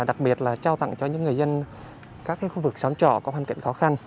đặc biệt là trao tặng cho những người dân các khu vực xóm trọ có hoàn cảnh khó khăn